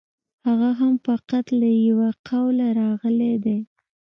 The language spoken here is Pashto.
هغه هم فقط له یوه قوله راغلی دی.